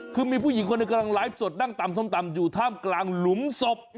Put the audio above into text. คือมีผู้หญิงคนหนึ่งกำลังไลฟ์สดนั่งตำส้มตำอยู่ท่ามกลางหลุมศพ